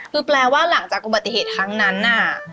คือแปลว่าหลังจากอุบัติเหตุครั้งนั้นน่ะ